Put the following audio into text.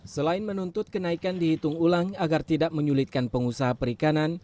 selain menuntut kenaikan dihitung ulang agar tidak menyulitkan pengusaha perikanan